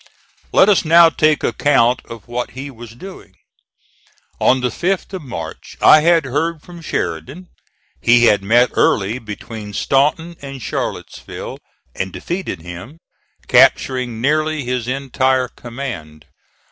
Let us now take account of what he was doing. On the 5th of March I had heard from Sheridan. He had met Early between Staunton and Charlottesville and defeated him, capturing nearly his entire command.